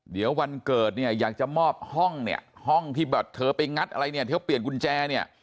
เดี๋ยววันเกิดเนี่ยอยากจะมอบห้องเนี่ยห้องที่แบบเธอไปงัดอะไรเนี่ยเธอเปลี่ยนกุญแจเนี่ย